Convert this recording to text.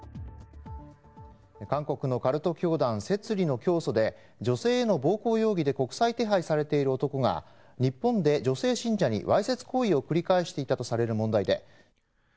韓国のカルト教団摂理の教祖で女性への暴行容疑で国際手配されている男が日本で女性信者にわいせつ行為を繰り返していたとされる問題で。